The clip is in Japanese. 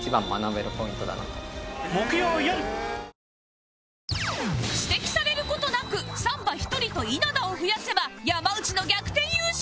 本麒麟指摘される事なくサンバ１人と稲田を増やせば山内の逆転優勝